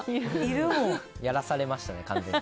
やらされましたね、完全に。